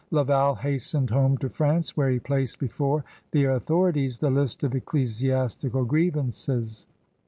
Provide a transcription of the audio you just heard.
Laval hastened home to France where he placed before the authori ties the list of ecclesiastical grievances.